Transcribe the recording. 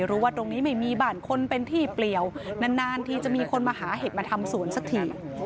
รู้ว่าตรงนี้ไม่มีบ้านคนเป็นที่เปลี่ยวนานทีจะมีคนมาหาเห็ดมาทำสวนสักที